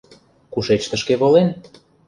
Кушеч тышке волен?